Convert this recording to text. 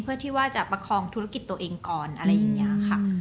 เพื่อที่ว่าจะประคองธุรกิจตัวเองก่อนอะไรอย่างนี้ค่ะ